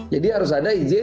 jadi harus ada izin